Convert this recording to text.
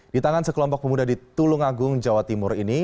di tangan sekelompok pemuda di tulungagung jawa timur ini